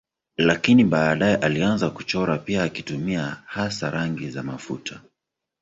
Lakini baadaye alianza kuchora pia akitumia hasa rangi za mafuta.